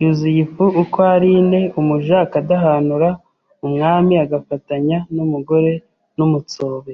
yuzuye ifu uko ari ine Umuja akadahanura Umwami agafatanya n’mugore n’Umutsobe